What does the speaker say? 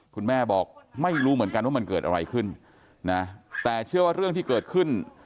คุณแม่บอกไม่รู้เหมือนกันว่ามันเกิดอะไรขึ้นนะแต่เชื่อว่าเรื่องที่เกิดขึ้น